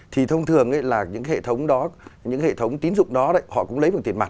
thì thông thường là những hệ thống đó những hệ thống tín dụng đó họ cũng lấy bằng tiền mặt